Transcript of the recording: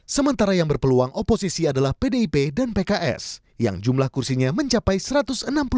sementara yang berpeluang oposisi adalah pdip dan pks yang jumlah kursinya mencapai satu ratus enam puluh tiga atau dua puluh delapan dari pdip dan pks